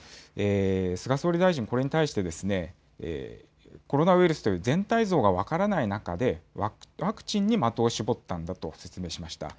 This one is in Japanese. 菅総理大臣、これに対してですね、コロナウイルスという全体像が分からない中で、ワクチンに的を絞ったんだと説明しました。